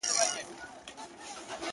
• د سیند پر غاړه به زنګیږي ونه,